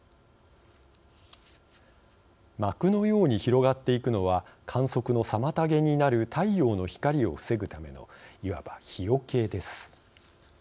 膜のように広がっていくのは観測の妨げになる太陽の光を防ぐためのいわば日よけです。